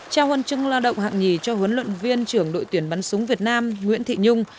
trao huân chương lao động hạng nhì cho huấn luyện viên trưởng đội tuyển bắn súng việt nam nguyễn thị nhung